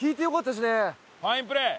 ファインプレー。